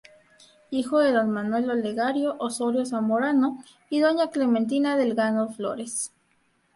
Hijo de don Manuel Olegario Osorio Zamorano y doña Clementina Delgado Flores.